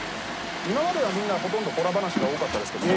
今まではみんなほとんどホラ話が多かったですけども。